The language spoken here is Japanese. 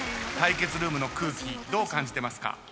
対決ルームの空気どう感じてますか？